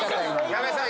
矢部さん